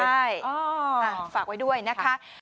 ใช่ฝากไว้ด้วยนะคะ